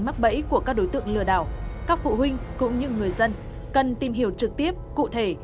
mắc bẫy của các đối tượng lừa đảo các phụ huynh cũng như người dân cần tìm hiểu trực tiếp cụ thể